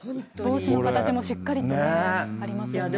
帽子の形もしっかりとありますよね。